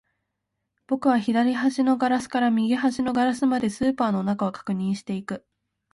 僕は左端のガラスから右端のガラスまで、スーパーの中を確認していく